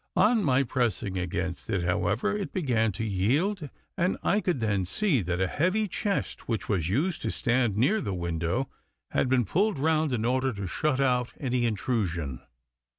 On my pressing against it, however, it began to yield, and I could then see that a heavy chest which was used to stand near the window had been pulled round in order to shut out any intrusion.